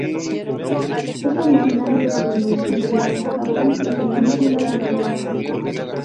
Es originario de Indochina hasta Japón y Península de Malaca.